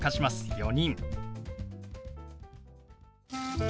「４人」。